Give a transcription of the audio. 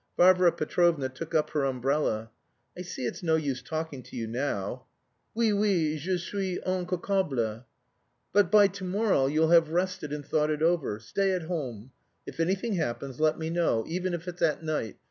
Varvara Petrovna took up her umbrella. "I see it's no use talking to you now...." "Oui, oui, je suis incapable." "But by to morrow you'll have rested and thought it over. Stay at home. If anything happens let me know, even if it's at night.